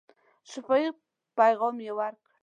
شفاهي پیغام یې ورکړ.